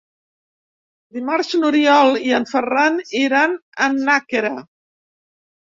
Dimarts n'Oriol i en Ferran iran a Nàquera.